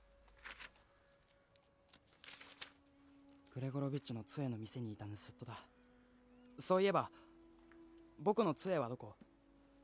グレゴロビッチの杖の店にいたぬすっとだそういえば僕の杖はどこ？